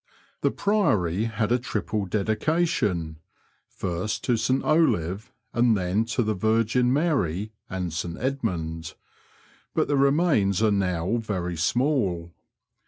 The Priory had a triple dedication, first to St Olave and then to the Virgin Mary and St. Edmund ; but the remains are now very small.